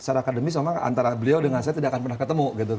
secara akademis memang antara beliau dengan saya tidak akan pernah ketemu gitu